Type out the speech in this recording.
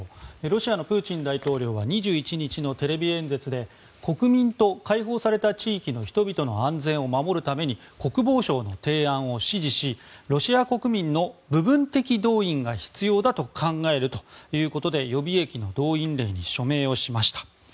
ロシアのプーチン大統領は２１日のテレビ演説で国民と、解放された地域の人々の安全を守るために国防省の提案を支持しロシア国民の部分的動員が必要だと考えると予備役の動員令に署名をしました。